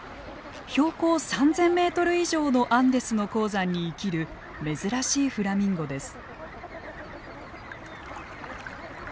標高３，０００メートル以上のアンデスの高山に生きる珍しいフラミンゴです。